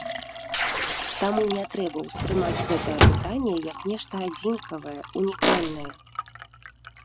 Таму не трэба ўспрымаць гэтае апытанне, як нешта адзінкавае, унікальнае.